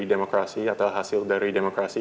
di demokrasi atau hasil dari demokrasi